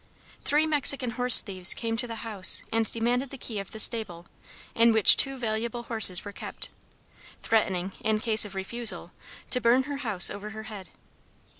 Three Mexican horse thieves came to the house and demanded the key of the stable, in which two valuable horses were kept, threatening, in case of refusal, to burn her house over her head.